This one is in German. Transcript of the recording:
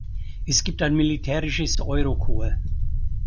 Es gibt ein militärisches Eurocorps.